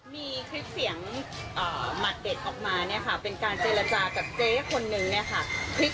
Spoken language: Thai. มีคลิปเสียงหมัดเด็ดออกมาเนี่ยค่ะเป็นการเจรจากับเจ๊คนนึงเนี่ยค่ะ